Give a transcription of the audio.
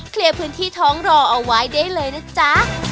เคลียร์พื้นที่ท้องรอเอาไว้ได้เลยนะจ๊ะ